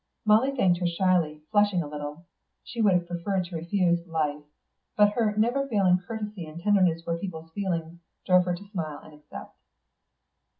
" Molly thanked her shyly, flushing a little. She would have preferred to refuse 'Life,' but her never failing courtesy and tenderness for people's feelings drove her to smile and accept.